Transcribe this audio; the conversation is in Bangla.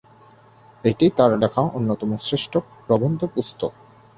এটি তার লেখা অন্যতম শ্রেষ্ঠ প্রবন্ধ পুস্তক।